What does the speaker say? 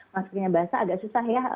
maskernya basah agak susah ya